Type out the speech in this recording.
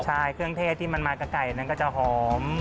ใช่เครื่องเทศที่มันมากับไก่นั้นก็จะหอม